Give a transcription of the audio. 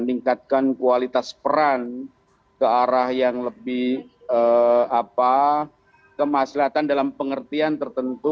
meningkatkan kualitas peran ke arah yang lebih kemaslahan dalam pengertian tertentu